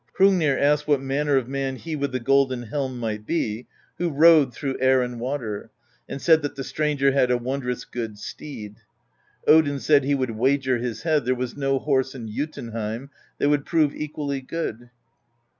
Hrungnir asked what manner of man he with the golden helm might be, who rode through air and water; and said that the stranger had a wondrous good steed. Odin said he would wager his head there was no horse in Jotunheim that would prove equally good.